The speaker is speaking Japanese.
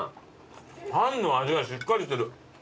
タンの味がしっかりしてる。